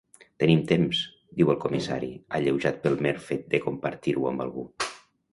Tenim temps —diu el comissari, alleujat pel mer fet de compartir-ho amb algú—.